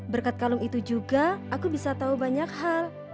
berkat kalung itu juga aku bisa tahu banyak hal